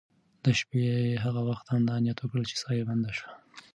د شپې یې هغه وخت همدا نیت وکړ چې ساه یې بنده شوه.